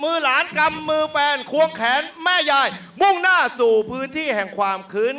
มือหลานกำมือแฟนควงแขนแม่ยายมุ่งหน้าสู่พื้นที่แห่งความคืน